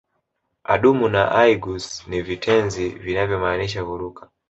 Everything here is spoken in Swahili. Adumu na aigus ni vitenzi vinavyomaanisha kuruka